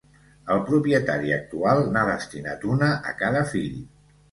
El propietari actual n'ha destinat una a cada fill.